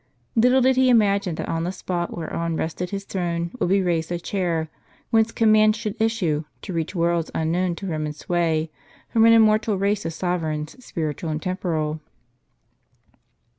"* Little did he imagine, that on the spot whereon rested his throne, would be raised a Chair, whence conmiands should issue, to reach worlds unknown to Roman sway, from an immortal race of sovereigns, spiritual and temporal.